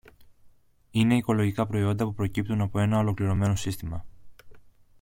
Είναι οικολογικά προϊόντα που προκύπτουν από ένα ολοκληρωμένο σύστημα